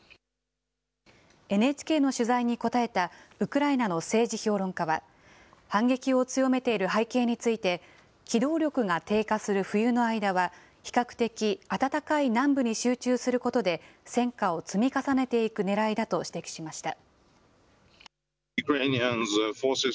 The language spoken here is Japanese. ＮＨＫの取材に答えたウクライナの政治評論家は、反撃を強めている背景について、機動力が低下する冬の間は、比較的暖かい南部に集中することで、戦果を積み重ねていくねらいだと指摘しました。